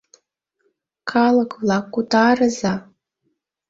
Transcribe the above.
— Калык-влак, утарыза!